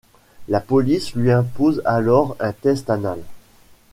La police lui impose alors un test anal.